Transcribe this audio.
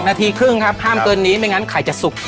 นาทีครึ่งครับห้ามเกินนี้ไม่งั้นไข่จะสุก